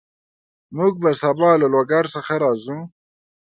موږ به سبا له لوګر څخه راځو